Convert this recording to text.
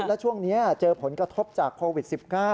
แล้วช่วงนี้เจอผลกระทบจากโควิด๑๙